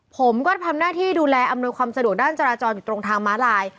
ผมก็ทำหน้าที่ดูแลอำนวยความสะดวกด้านจราจรอยู่ตรงทางม้าลาย